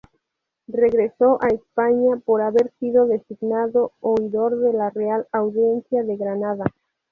Regresó a España por haber sido designado oidor de la Real Audiencia de Granada.